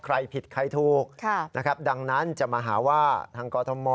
ใครผิดใครถูกนะครับดังนั้นจะมาหาว่าทางกอทม